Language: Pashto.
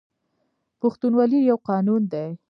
پښتونولي یو قانون دی